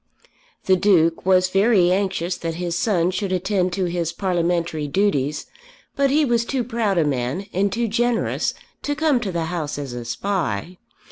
The Duke was very anxious that his son should attend to his parliamentary duties, but he was too proud a man and too generous to come to the House as a spy.